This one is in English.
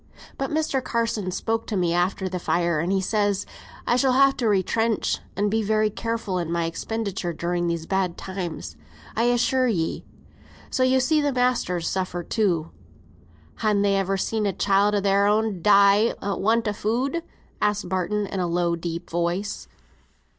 But Mr. Carson spoke to me after th' fire, and says he, 'I shall ha' to retrench, and be very careful in my expenditure during these bad times, I assure ye;' so yo see th' masters suffer too." "Han they ever seen a child o' their'n die for want o' food?" asked Barton, in a low, deep voice.